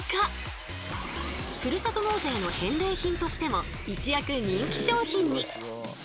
ふるさと納税の返礼品としても一躍人気商品に。